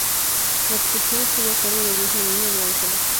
La producción estuvo a cargo del mismo de Nino de Angelo.